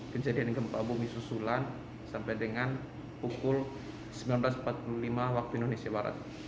kejadian gempa bumi susulan sampai dengan pukul sembilan belas empat puluh lima waktu indonesia barat